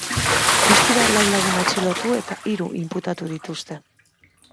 Guztira lau lagun atxilotu eta hiru inputatu dituzte.